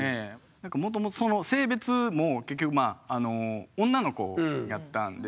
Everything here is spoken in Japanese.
なんかもともとその性別も結局まあ女の子やったんですね。